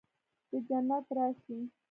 د جنت راشي